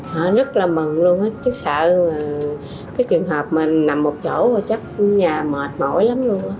họ rất là mừng luôn chắc sợ cái trường hợp mình nằm một chỗ chắc nhà mệt mỏi lắm luôn